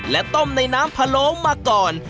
และต้มในน้ำพะโล้มาก่อน